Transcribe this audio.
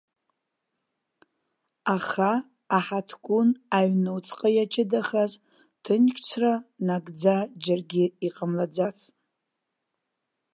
Аха, аҳаҭгәын аҩнуҵҟа иаҷыдахаз, ҭынчра нагӡа џьаргьы иҟамлаӡацт.